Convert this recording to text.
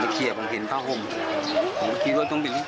มีขายไหมมีขายที่หายไปไหม